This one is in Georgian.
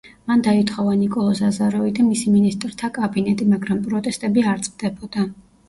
მან დაითხოვა ნიკოლოზ აზაროვი და მისი მინისტრთა კაბინეტი, მაგრამ პროტესტები არ წყდებოდა.